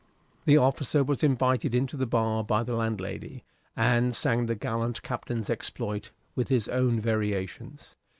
The officer was invited into the bar by the landlady, and sang the gallant Captain's exploit, with his own variations.